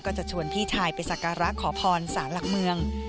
ก็จะชวนพี่ชายไปศากรขอพรศาลหลักเมือง